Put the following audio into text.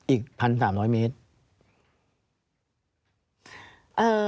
อีกพันสามร้อยเมตร